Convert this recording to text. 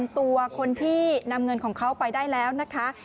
ตัวคนที่นำเงินของเขาไปได้แล้วนะคะ